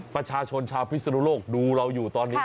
ประชาชนชาวพิศนุโลกดูเราอยู่ตอนนี้